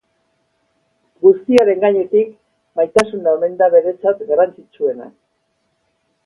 Guztiaren gainetik, maitasuna omen da beretzat garrantzitsuena.